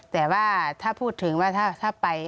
แต่ว่าถ้าพูดถึงว่าถ้าไป